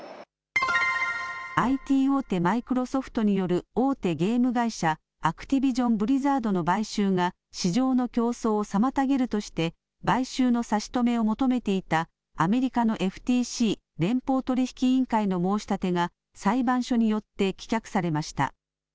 ＩＴ大手、マイクロソフトによる大手ゲーム会社、アクティビジョン・ブリザードの買収が市場の競争を妨げるとして買収の差し止めを求めていたアメリカのＦＴＣ・連邦取引委員会の申し立てが裁判所によって棄却されました。